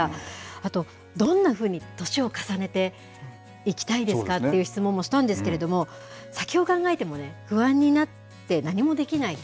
あと、どんなふうに年を重ねていきたいですかという質問もしたんですけれど先を考えてもね不安になって何もできないと。